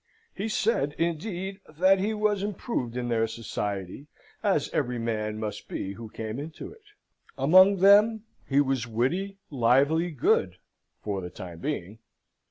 He said, indeed, that he was improved in their society, as every man must be who came into it. Among them he was witty, lively, good for the time being.